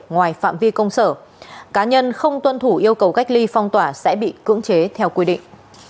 ngoài phạm vi công sở cá nhân không tuân thủ yêu cầu cách ly phong tỏa sẽ bị cưỡng chế theo quy định